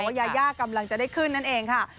ยายากำลังจะได้ขึ้นนั่นเองค่ะ